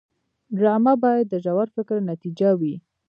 ډرامه باید د ژور فکر نتیجه وي